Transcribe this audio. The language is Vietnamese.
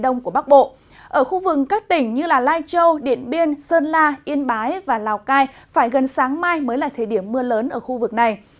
ở khu vực các tỉnh như lai châu điện biên sơn la yên bái và lào cai phải gần sáng mai mới là thời điểm mưa lớn ở khu vực này